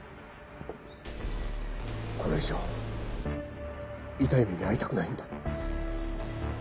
これ以上痛い目に遭いたくないんだ。